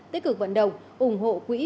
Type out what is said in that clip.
tích cực vận động ủng hộ quỹ